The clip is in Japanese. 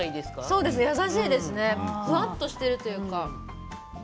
そうですね優しいですねふわっとしているというか。